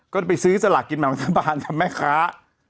ก็จะไปซื้อสลักกินมาบางทะบานทำแม่ค้า